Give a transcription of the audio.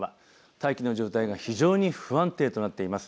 大気の状態が非常に不安定となっています。